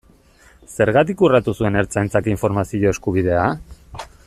Zergatik urratu zuen Ertzaintzak informazio eskubidea?